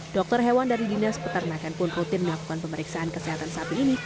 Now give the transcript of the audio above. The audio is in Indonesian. dokter hewan dari dinas peternakan pun rutin melakukan pemeriksaan kesehatan sapi ini